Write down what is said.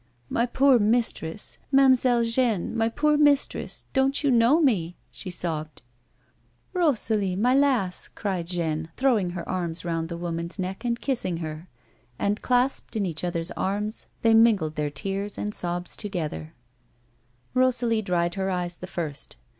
" My poor mistress ! Mam'zelle Jeanne, my poor mistress ! Don't you know me 1 " she sobbed. " Rosalie, my lass !" cried Jeanne, throwing her arms round the woman's neck and kissing her; and, clasped in each other's arms they mingled their tears and sobs together. 212 A "WOMAN'S LIFE. Rosalie dried her eyes the first.